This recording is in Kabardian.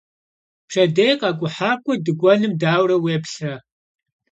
Pşedêy khek'uhak'ue dık'uenım daure vuêplhıre?